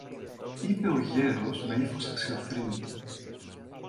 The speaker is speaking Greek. είπε ο γέρος με ύφος αξιοθρήνητο.